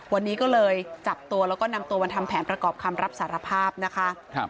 วันนี้ก็เลยจับตัวแล้วก็นำตัวมาทำแผนประกอบคำรับสารภาพนะคะ